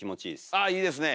あいいですね！